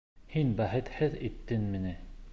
Һин бәхетһеҙ иттең мине!